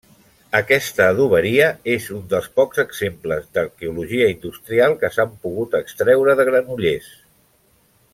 Aquesta adoberia és un dels pocs exemples d'arqueologia industrial que s'han pogut extreure de Granollers.